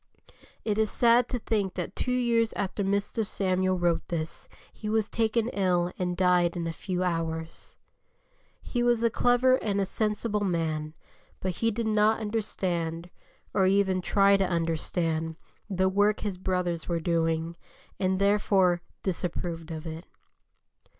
It is sad to think that two weeks after Mr. Samuel wrote this he was taken ill and died in a few hours. He was a clever and a sensible man, but he did not understand, or even try to understand, the work his brothers were doing, and, therefore, disapproved of it.